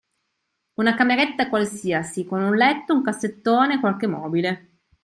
Una cameretta qualsiasi, con un letto, un cassettone, qualche mobile.